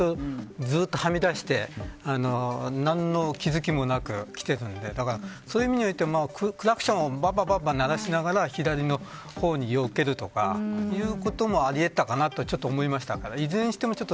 ずっとはみ出していて何の気付きもなくきているのでそういう意味においてもクラクションをバンバン鳴らしながら左の方に寄るとかそういうこともあり得たかなとは思います。